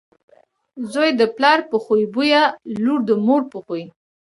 زوی دپلار په خوی بويه، لور دمور په خوی .